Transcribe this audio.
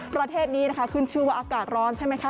ประเทศนี้นะคะขึ้นชื่อว่าอากาศร้อนใช่ไหมคะ